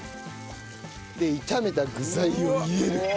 で炒めた具材を入れる。